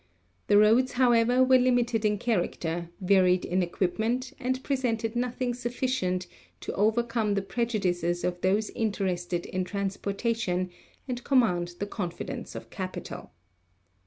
The roads, however, were limited in char acter, varied in equipment and presented nothing sufficient to overcome the prejudices of those interested in transpor tation and command the confidence of capital.